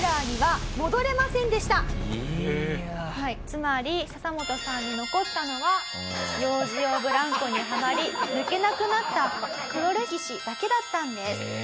つまりササモトさんに残ったのは幼児用ブランコにはまり抜けなくなった黒歴史だけだったんです。